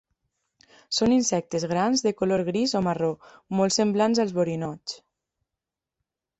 Són insectes grans de color gris o marró molts semblants als borinots.